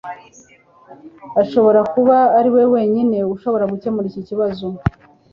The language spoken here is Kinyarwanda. ashobora kuba ariwe wenyine ushobora gukemura iki kibazo.